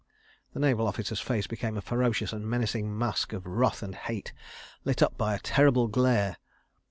The naval officer's face became a ferocious and menacing mask of wrath and hate, lit up by a terrible glare.